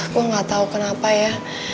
gue gak tau kenapa ya